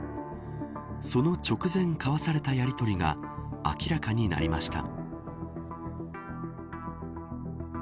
その直前に交わされたやりとりが明らかになりました。